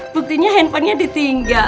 buktinya handphonenya ditinggal